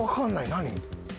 何？